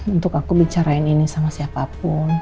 untuk aku bicarain ini sama siapapun